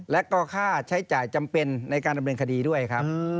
และก็ค่าใช้จ่ายจำเป็นในการดำเนินคดีด้วยครับ